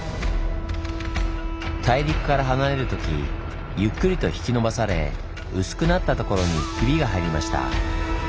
大陸から離れるときゆっくりと引き伸ばされ薄くなったところにヒビが入りました。